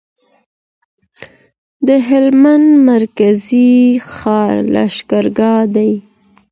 د هلمند مرکزي ښار لشکرګاه دی.